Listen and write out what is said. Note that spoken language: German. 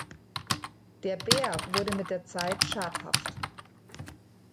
Der Bär wurde mit der Zeit schadhaft.